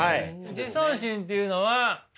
自尊心というのは。